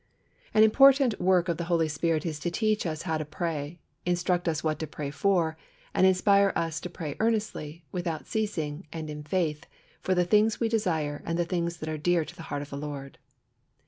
An important work of the Holy Spirit is to teach us how to pray, instruct us what to pray for, and inspire us to pray earnestly, without ceasing, and in faith, for the things we desire and the things that are dear to the heart of the Lord.